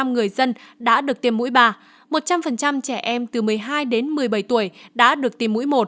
sáu sáu mươi chín người dân đã được tiêm mũi ba một trăm linh trẻ em từ một mươi hai đến một mươi bảy tuổi đã được tiêm mũi một